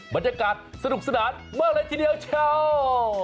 บรรยากาศสนุกสนานมากเลยทีเดียวชาว